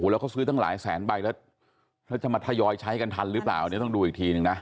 แล้วเขาซื้อตั้งหลายแสนใบแล้วแล้วจะมาทยอยใช้กันทันหรือเปล่าอันนี้ต้องดูอีกทีนึงนะ